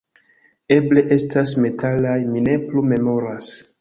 Eble estas metalaj, mi ne plu memoras